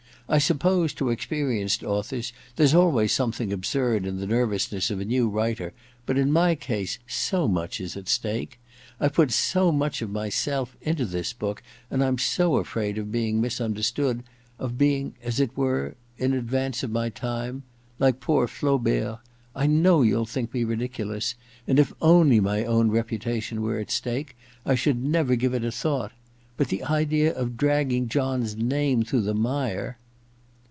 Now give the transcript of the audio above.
I suppose to experienced authors there's always something absurd in the nervous ness of a new writer, but in my case so much is at stake ; I've put so much of myself into this book and I'm so afraid of being misunderstood ... of being, as it were, in advance of my time ... like poor Flaubert. ... I know you'll think me ridiculous ... and if only my own reputation were at stake, I should never give it a thought ... but the idea of dragging John's name through the mire